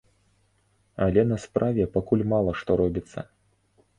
Але на справе пакуль мала што робіцца.